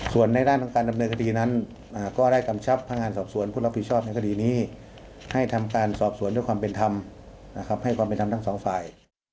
ส่วนในด้านของการดำเนินคดีนั้นก็ได้กำชับพนักงานสอบสวนผู้รับผิดชอบในคดีนี้ให้ทำการสอบสวนด้วยความเป็นธรรมนะครับให้ความเป็นธรรมทั้งสองฝ่าย